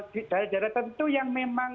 di daerah daerah tentu yang memang